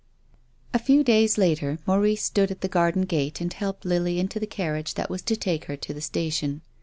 A few days later Maurice stood at the garden gate and helped Lily into the carriage that was to take her to the station.